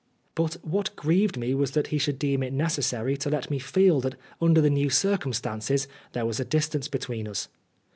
But what grieved me was that he should deem it necessary to let me feel that under the new circumstances there was a distance between us.